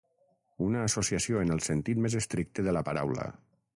Una associació en el sentit més estricte de la paraula.